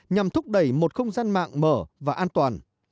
nhằm thúc đẩy một không gian mạng mở và an toàn